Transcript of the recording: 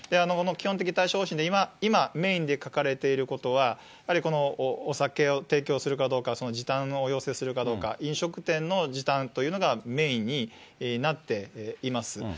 この基本的対処方針で、今、メインで書かれていることは、やはりお酒を提供するかどうか、その時短の要請するかどうか、飲食店の時短というのがメインになっています。